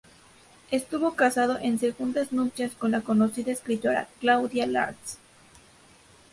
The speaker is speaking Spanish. Estuvo casado en segundas nupcias con la conocida escritora Claudia Lars.